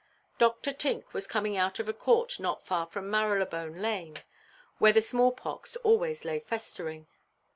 Dr. Tink was coming out of a court not far from Marylebone–lane, where the small–pox always lay festering.